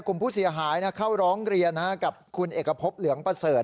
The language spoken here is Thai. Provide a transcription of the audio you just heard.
กลุ่มผู้เสียหายเข้าร้องเรียนกับคุณเอกพบเหลืองประเสริฐ